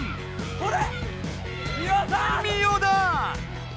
ほれ！